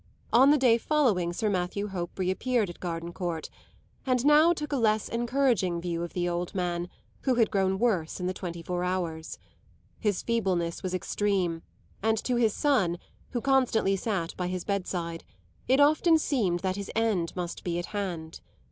On the day following Sir Matthew Hope reappeared at Gardencourt, and now took a less encouraging view of the old man, who had grown worse in the twenty four hours. His feebleness was extreme, and to his son, who constantly sat by his bedside, it often seemed that his end must be at hand.